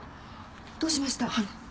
どうしました？